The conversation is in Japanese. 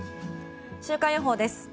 週間予報です。